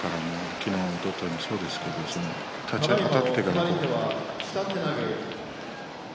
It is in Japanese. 昨日おとといもそうですが立ち合いあたってから。